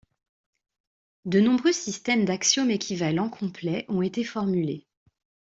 De nombreux systèmes d'axiomes équivalents complets ont été formulés.